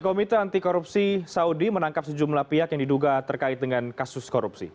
komite anti korupsi saudi menangkap sejumlah pihak yang diduga terkait dengan kasus korupsi